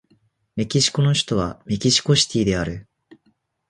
メキシコの首都はメキシコシティである